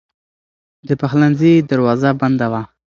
د پخلنځي دروازه بنده وه.